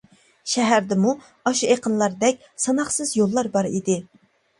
شەھەردىمۇ ئاشۇ ئېقىنلاردەك ساناقسىز يوللار بار ئىدى.